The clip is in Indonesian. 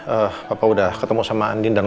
eh bapak udah ketemu sama andin dan